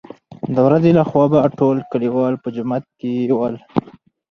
دورځې له خوا به ټول کليوال په جومات کې ول.